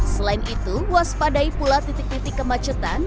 selain itu waspadai pula titik titik kemacetan